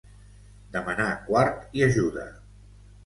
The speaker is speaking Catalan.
Demanar quart i ajuda.